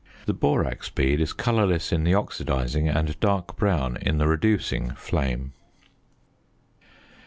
The borax bead is colourless in the oxidising, and dark brown in the reducing, flame.